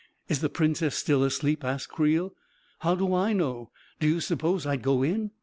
44 Is the Princess still asleep? " asked Creel. "How do I know? Do you suppose I'd go in